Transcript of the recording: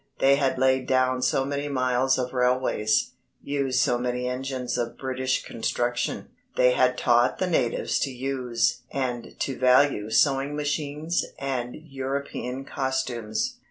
They had laid down so many miles of railways, used so many engines of British construction. They had taught the natives to use and to value sewing machines and European costumes.